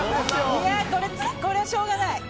いや、これはしょうがない。